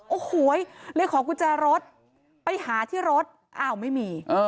โอ้โหเลยขอกุญแจรถไปหาที่รถอ้าวไม่มี